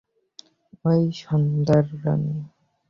ওই, সর্দারনী!